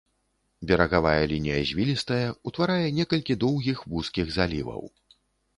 Берагавая лінія звілістая, утварае некалькі доўгіх вузкіх заліваў.